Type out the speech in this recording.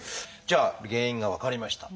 じゃあ原因が分かりました。